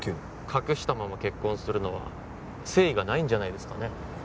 隠したまま結婚するのは誠意がないんじゃないですかね？